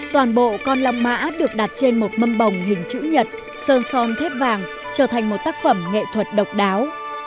toàn bộ con long mã được đặt trên một mâm bồng hình chữ nhật sơn son thép vàng trở thành một tác phẩm nghệ thuật độc đáo